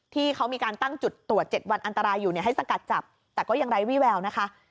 ที่เขามีการตั้งจุดตรวจ๗วันอันตรายอยู่ให้สกัดจับแต่ก็ยังไร้วี่แววนะคะ